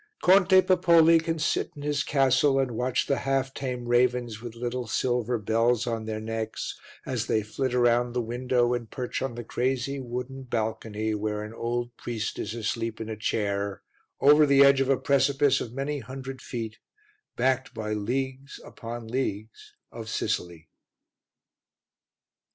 Conte Pepoli can sit in his castle and watch the half tame ravens, with little silver bells on their necks, as they flit around the window and perch on the crazy wooden balcony where an old priest is asleep in a chair, over the edge of a precipice of many hundred feet, backed by leagues upon leagues of Sicily.